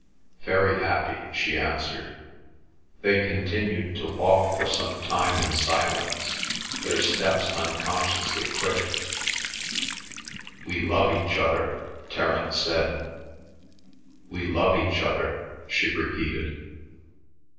"Very happy," she answered. They continued to walk for some time in silence. Their steps unconsciously quickened. "We love each other," Terence said. "We love each other," she repeated.